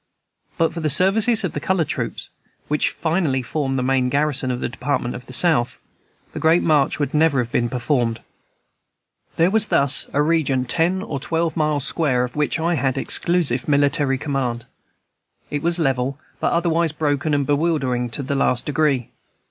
But for the services of the colored troops, which finally formed the main garrison of the Department of the South, the Great March would never have been performed. There was thus a region ten or twelve miles square of which I had exclusive military command. It was level, but otherwise broken and bewildering to the last degree.